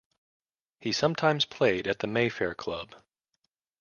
He sometimes played at the Mayfair Club.